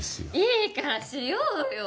いいからしようよ！